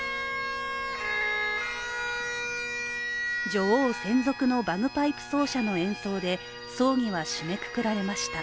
女王専属のバグパイプ奏者の演奏で葬儀は締めくくられました。